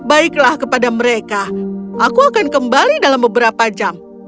baiklah kepada mereka aku akan kembali dalam beberapa jam